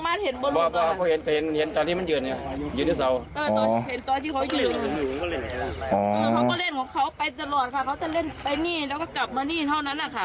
เขาก็เล่นของเขาไปตลอดค่ะเขาจะเล่นไปนี่แล้วก็กลับมานี่เท่านั้นแหละค่ะ